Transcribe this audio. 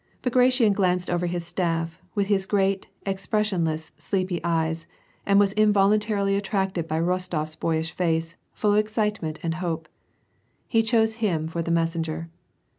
Bagration glanced over his staff, with his great, expression less, sleepy eyes, and was involuntarily attracted by Rostof's boyish face, full of e^i^citemeut and hope. He chose him for the messenger.